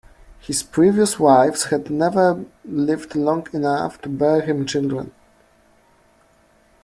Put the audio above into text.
His previous wives had never lived long enough to bear him children.